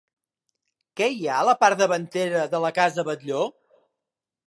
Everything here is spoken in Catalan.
Què hi ha a la part davantera de la casa Batlló?